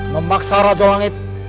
memaksa raja langit